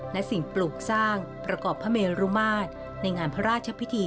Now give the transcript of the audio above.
และสิ่งปลูกสร้างประกอบพระเมรุมาตรในงานพระราชพิธี